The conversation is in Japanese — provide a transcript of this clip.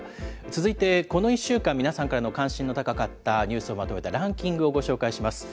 続いて、この１週間、皆さんからの関心の高かったニュースをまとめたランキングをご紹介します。